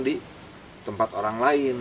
di tempat orang lain